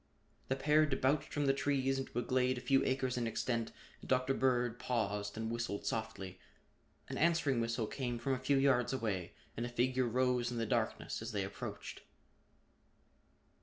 The pair debouched from the trees into a glade a few acres in extent and Dr. Bird paused and whistled softly. An answering whistle came from a few yards away and a figure rose in the darkness as they approached.